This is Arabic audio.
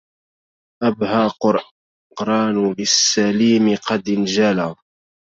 أبهى قران للسليم قد انجلى